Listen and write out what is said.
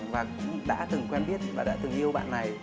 và cũng đã từng quen biết và đã từng yêu bạn này